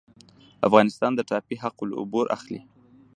افغانستان د ټاپي حق العبور اخلي